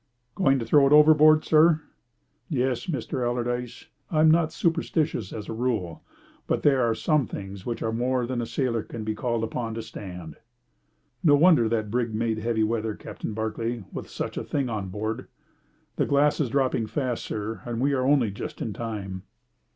"Going to throw it overboard, sir?" "Yes, Mr. Allardyce. I'm not superstitious as a rule, but there are some things which are more than a sailor can be called upon to stand." "No wonder that brig made heavy weather, Captain Barclay, with such a thing on board. The glass is dropping fast, sir, and we are only just in time."